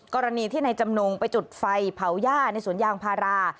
กรณีที่นายจำนงไปจุดไฟเผาย่าในสวนยางพารา